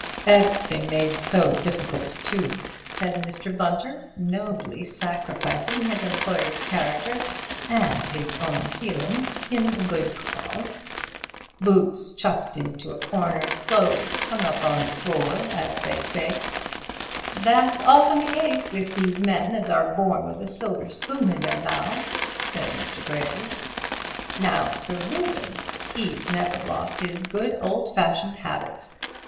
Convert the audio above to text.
"Everything made so difficult, too," said Mr. Bunter, nobly sacrificing his employer's character and his own feelings in a good cause; "boots chucked into a corner, clothes hung up on the floor, as they say—" "That's often the case with these men as are born with a silver spoon in their mouths," said Mr. Graves. "Now, Sir Reuben, he's never lost his good old fashioned habits.